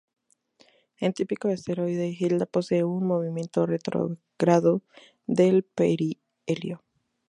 El típico asteroide Hilda posee un movimiento retrógrado del perihelio.